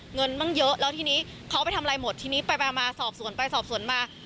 เงินบ้างเยอะแล้วทีนี้เขาไปทำอะไรหมดทีนี้ไปมาสอบสวนไปสอบสวนมา